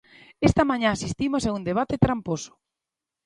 Esta mañá asistimos a un debate tramposo.